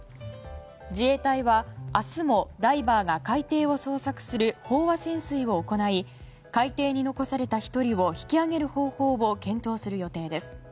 自衛隊は明日もダイバーが海底を捜索する飽和潜水を行い海底に残された１人を引き揚げる方法を検討する予定です。